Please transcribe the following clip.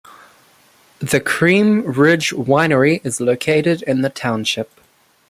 The Cream Ridge Winery is located in the township.